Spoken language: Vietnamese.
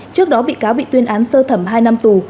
trước đó bị cáo bị tuyên án sơ thẩm hai năm tù